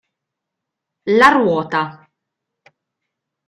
La ruota